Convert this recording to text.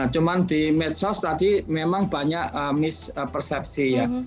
cuma di medsos tadi memang banyak mispersepsi ya